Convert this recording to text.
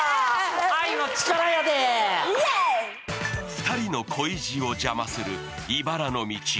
２人の恋路を邪魔するいばらの道。